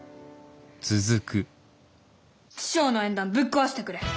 師匠の縁談ぶっ壊してくれ！